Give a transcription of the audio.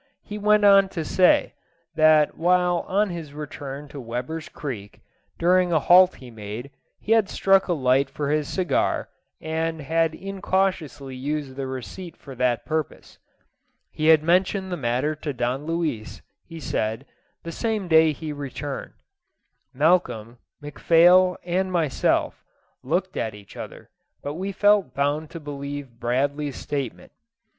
He went on to say, that while on his return to Weber's Creek, during a halt he made, he had struck a light for his cigar, and had incautiously used the receipt for that purpose. He had mentioned the matter to Don Luis, he said, the same day he returned. Malcolm, McPhail, and myself, looked at each other, but we felt bound to believe Bradley's statement.